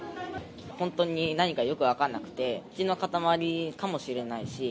本当に何かよく分からなくて、土の塊かもしれないし。